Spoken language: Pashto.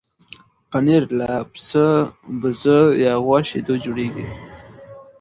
پنېر له پسه، بزه یا غوا شیدو جوړېږي.